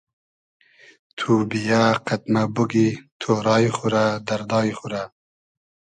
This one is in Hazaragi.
تو بییۂ قئد مۂ بوگی تۉرای خو رۂ دئردای خو رۂ